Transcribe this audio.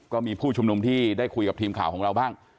ก็มีผู้ชุมนุมที่ได้คุยกับทีมข่าวของเราบ้าง